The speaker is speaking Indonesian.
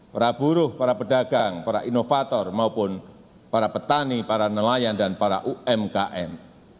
para buruh para pedagang para inovator maupun para petani para nelayan dan para umkm